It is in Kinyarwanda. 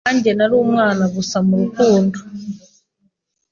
Nkanjye nari umwana gusa murukundo